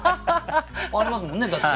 ありますもんねだって